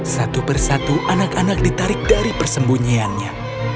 satu persatu anak anak ditarik dari persembunyiannya